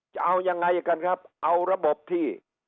จะเอายังไงกันครับเอาระบบที่